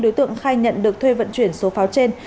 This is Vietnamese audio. đối tượng khai nhận được thuê vận chuyển số pháo trên